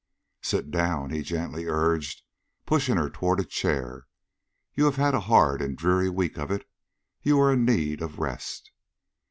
"Sit down," he gently urged, pushing toward her a chair. "You have had a hard and dreary week of it; you are in need of rest."